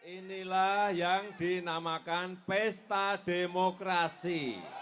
inilah yang dinamakan pesta demokrasi